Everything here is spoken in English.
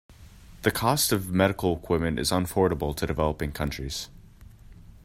The cost of Medical equipment is unfordable to developing countries.